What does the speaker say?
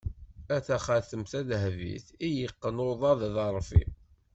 A taxatemt tadehbit, i yeqqen uḍad aḍeṛfi!